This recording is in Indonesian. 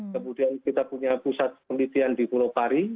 kemudian kita punya pusat penelitian di pulau pari